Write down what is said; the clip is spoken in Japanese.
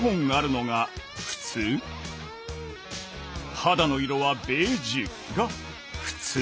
肌の色はベージュが「ふつう」？